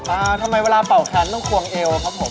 อ่าทำไมเวลาเป่าแขนต้องควงเอวครับผม